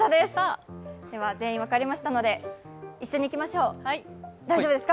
では全員分かりましたので、一緒にいきましょう。